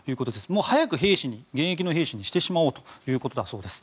もう早く現役の兵士にしてしまおうということだそうです。